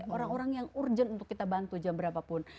orang orang yang urgent untuk kita bantu jam berapapun